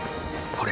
これ。